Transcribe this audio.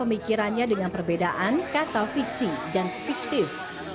pemikirannya dengan perbedaan kata fiksi dan fiktif